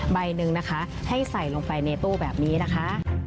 ใบหนึ่งนะคะให้ใส่ลงไปในตู้แบบนี้นะคะ